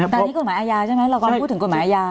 แต่อันนี้กฎหมายอาญาใช่ไหมเรากำลังพูดถึงกฎหมายอาญา